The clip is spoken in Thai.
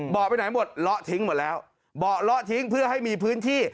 ไปไหนหมดเลาะทิ้งหมดแล้วเบาะเลาะทิ้งเพื่อให้มีพื้นที่